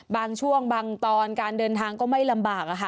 บางช่วงบางตอนการเดินทางก็ไม่ลำบากอะค่ะ